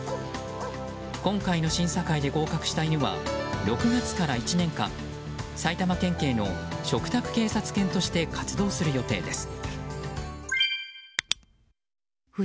今回の審査会で合格した犬は６月から１年間埼玉県警の嘱託警察犬として活動する予定です。